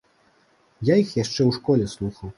Я іх яшчэ ў школе слухаў.